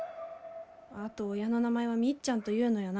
あと親の名前はみっちゃんというのやな。